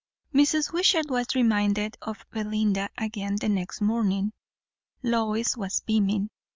Mrs. Wishart was reminded of Belinda again the next morning. Lois was beaming.